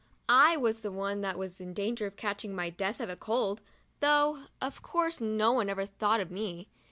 I was the one that was in danger of catching my death of cold, though of course no one ever thought of me.